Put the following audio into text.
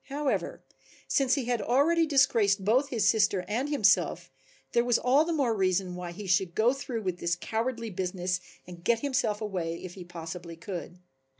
However, since he had already disgraced both his sister and himself there was all the more reason why he should go through with this cowardly business and get himself away if he possibly could.